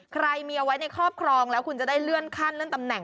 ใครมีเอาไว้ในครอบครองแล้วคุณจะได้เลื่อนขั้นเลื่อนตำแหน